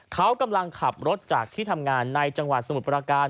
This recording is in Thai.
เขากำลังขับรถจากที่ทำงานในจังหวัดสมุทรประการ